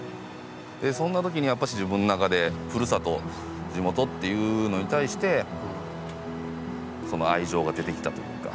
そんな時にやっぱし自分の中でふるさと地元っていうのに対して愛情が出てきたというか。